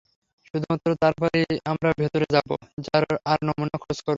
শুধুমাত্র তারপরই আমরা ভেতরে যাব আর নমুনা খোঁজ করব।